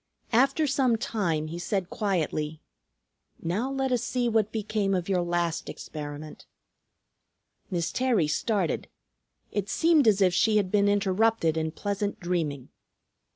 After some time he said quietly, "Now let us see what became of your last experiment." Miss Terry started. It seemed as if she had been interrupted in pleasant dreaming.